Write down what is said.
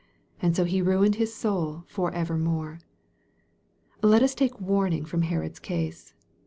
And so he ruined his soul for evermore. Let us take warning from Herod's case.